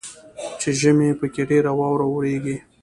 چې ژمي پکښې ډیره واوره اوریږي.